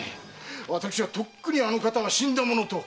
私はとっくにあの方は死んだものと。